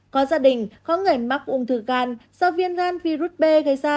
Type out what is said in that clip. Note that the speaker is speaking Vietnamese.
có gia đình có người mắc uống thư gan do viêm gan virus b gây ra